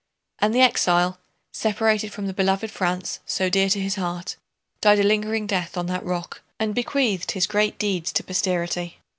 And the exile, separated from the beloved France so dear to his heart, died a lingering death on that rock and bequeathed his great deeds to posterity.